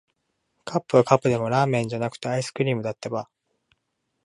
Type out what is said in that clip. カップはカップでも、ラーメンじゃなくて、アイスクリームだってば。